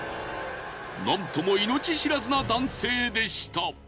なんとも命知らずな男性でした。